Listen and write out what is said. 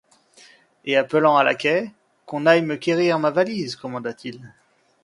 Et appelant un laquais : Qu'on aille me quérir ma valise, commanda-t-il.